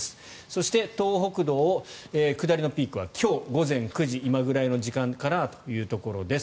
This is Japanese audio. そして東北道下りのピークは今日午前９時今くらいの時間かなというところです。